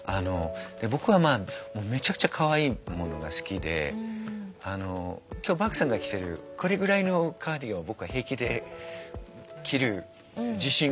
僕はまあめちゃくちゃかわいいものが好きで今日獏さんが着てるこれぐらいのカーデを僕は平気で着る自信があるというか着たい。